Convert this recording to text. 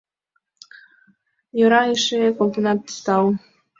Йӧра эше колтенат, тау.